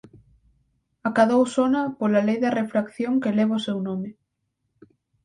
Acadou sona pola lei da refracción que leva o seu nome.